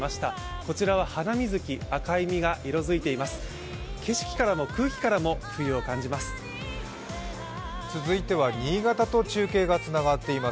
こちらはハナミズキ、赤い実が色づいています。